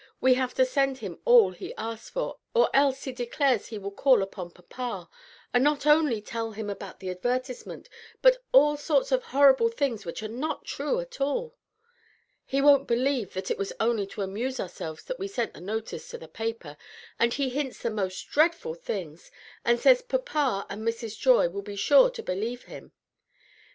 We have to send him all he asks for, or else he declares he will call on papa, and not only tell him about the advertisement, but all sorts of horrible things which are not true at all. He won't believe that it was only to amuse ourselves that we sent the notice to the paper, and he hints the most dreadful things, and says papa and Mrs. Joy will be sure to believe him!